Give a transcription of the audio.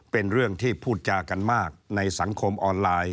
เป็นเรื่องที่พูดจากันมากในสังคมออนไลน์